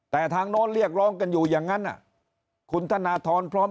แต่ทางโน้นเรียกร้องกันอยู่อย่างนั้นคุณธนทรพร้อม